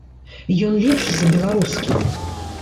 Ён лепшы за беларускі.